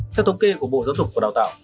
theo thống kê của bộ giáo dục và đào tạo